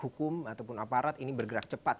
hukum ataupun aparat ini bergerak cepat